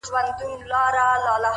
• تر وراره دي لا په سل چنده ظالم دئ,